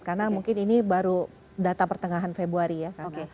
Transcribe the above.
karena mungkin ini baru data pertengahan februari ya